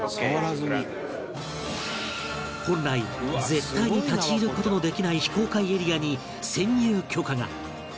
本来絶対に立ち入る事のできない非公開エリアに潜入許可が